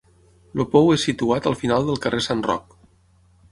El pou és situat al final del carrer Sant Roc.